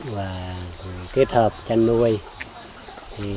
và kết hợp chăn nuôi